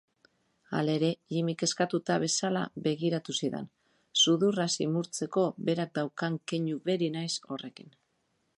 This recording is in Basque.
Hogei urte daramatza jokoan aritu gabe baina bizitza guztirako kontrolatu beharko du menpekotasuna.